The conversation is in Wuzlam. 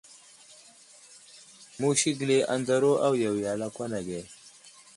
Musi gəli anzawaru awiya wiya a lakwan age.